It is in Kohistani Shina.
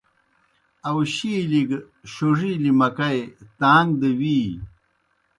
آؤشِیلیْ گہ شوڙِیلیْ مکئی تاݩگ دہ وِیی۔